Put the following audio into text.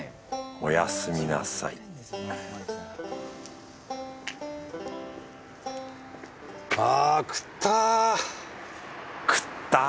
おやすみなさいあ食ったぁ！